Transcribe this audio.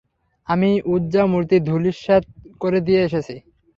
আমি উযযা মূর্তি ধুলিস্যাত করে দিয়ে এসেছি।